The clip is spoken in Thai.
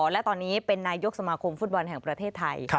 และตอนนี้เป็นนายกสมาคมฟุตบอลแห่งประเทศไทย